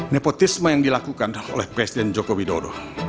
nepotisme yang dilakukan oleh presiden jokowi dodo